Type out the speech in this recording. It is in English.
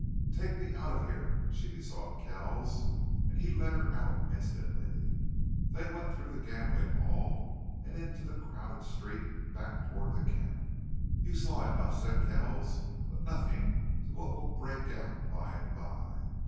"Take me out of here!" she besought Kells, and he led her out instantly. They went through the gambling hall and into the crowded street, back toward camp. "You saw enough," said Kells, "but nothing to what will break out by and by.